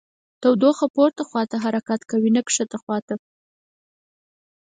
تودوخه پورته خواته حرکت کوي نه ښکته خواته.